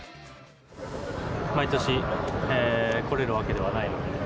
毎年、来れるわけではないのでね。